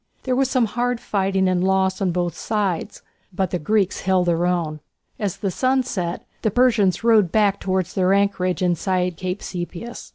There was some hard fighting and loss on both sides, but the Greeks held their own. As the sun set the Persians rowed back towards their anchorage inside Cape Sepias.